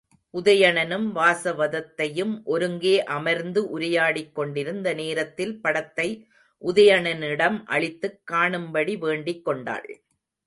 உதயணனும் வாசவதத்தையும் ஒருங்கே அமர்ந்து உரையாடிக் கொண்டிருந்த நேரத்தில் படத்தை உதயணனிடம் அளித்துக் காணும்படி வேண்டிக் கொண்டாள்.